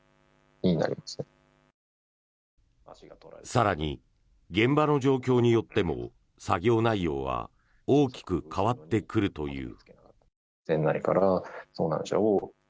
更に、現場の状況によっても作業内容は大きく変わってくるという。